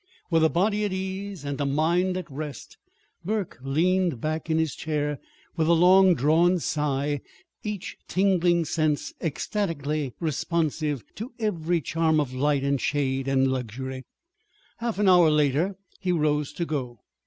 With a body at ease and a mind at rest, Burke leaned back in his chair with a long drawn sigh, each tingling sense ecstatically responsive to every charm of light and shade and luxury. Half an hour later he rose to go.